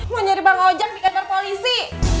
mau nyari bang ojak bikin tar polisi